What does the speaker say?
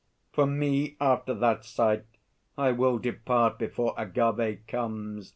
For me, after that sight, I will depart Before Agâvê comes.